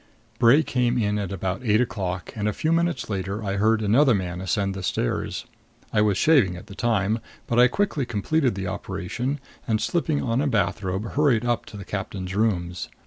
Bray came in about eight o'clock and a few minutes later I heard another man ascend the stairs. I was shaving at the time, but I quickly completed the operation and, slipping on a bathrobe, hurried up to the captain's rooms.